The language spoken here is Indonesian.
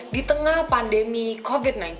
di tengah pandemi covid sembilan belas